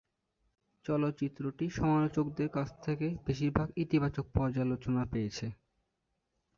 চলচ্চিত্রটি সমালোচকদের কাছ থেকে বেশিরভাগ ইতিবাচক পর্যালোচনা পেয়েছে।